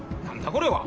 これは。